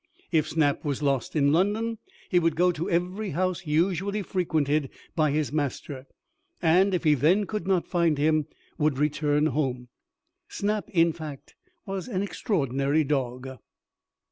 If Snap was lost in London, he would go to every house usually frequented by his master; and if he then could not find him, would return home. Snap, in fact, was an extraordinary dog.